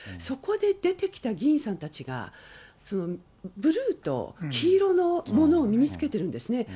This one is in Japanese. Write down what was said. そこで出てきた議員さんたちが、ブルーと黄色のものを身に着けてるんですね。